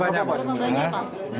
berapa banyak pak